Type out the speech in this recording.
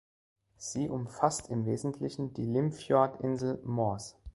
Sie umfasst im Wesentlichen die Limfjord-Insel Mors.